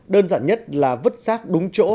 đơn giản nhất là vứt rác đúng chỗ